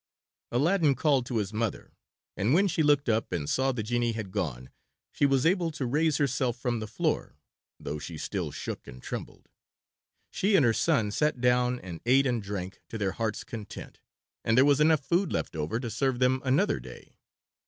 Aladdin called to his mother, and when she looked up and saw the genie had gone she was able to raise herself from the floor, though she still shook and trembled. She and her son sat down and ate and drank to their hearts' content, and there was enough food left over to serve them another day.